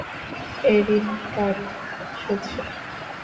Haerin গাড়ি নিয়ে এসেছে।